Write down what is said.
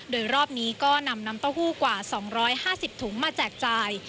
โดยรอบนี้ก็นำน้ำเต้าหู้กว่า๒๕๐ถุงมาแจกจ่าย